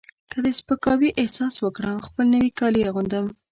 که د سپکاوي احساس وکړم خپل نوي کالي اغوندم.